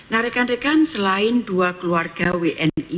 nah rekan rekan selain dua keluarga wni